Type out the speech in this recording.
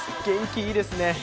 元気いいですね。